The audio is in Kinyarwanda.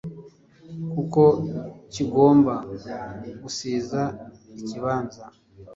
kuko kigomba gusiza ikibanza,